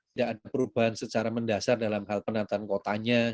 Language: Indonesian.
tidak ada perubahan secara mendasar dalam hal penataan kotanya